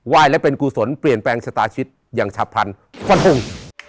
ยและเป็นกุศลเปลี่ยนแปลงชะตาชิตอย่างฉับพันธุ์ฟันทง